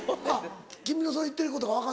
「君のその言ってることが分かんない」。